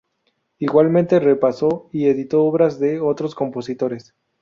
Igualmente repasó y editó obras de otros compositores.